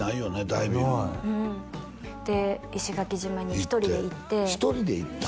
ダイビングのないで石垣島に１人で行って１人で行ったん？